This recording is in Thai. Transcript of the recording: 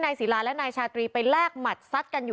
นายศิลาและนายชาตรีไปแลกหมัดซัด